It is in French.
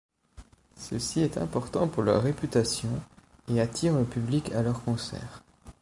Ceci est important pour leur réputation, et attire le public à leurs concerts.